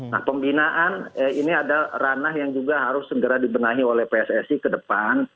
nah pembinaan ini adalah ranah yang juga harus segera dibenahi oleh pssi ke depan